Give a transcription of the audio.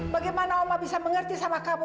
bagaimana oma bisa mengerti sama kamu